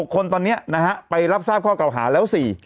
คนตอนนี้นะฮะไปรับทราบข้อเก่าหาแล้ว๔